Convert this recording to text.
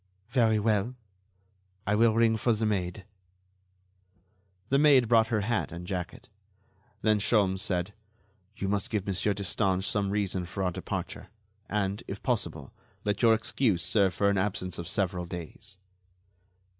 "Very well. I will ring for the maid." The maid brought her hat and jacket. Then Sholmes said: "You must give Monsieur Destange some reason for our departure, and, if possible, let your excuse serve for an absence of several days."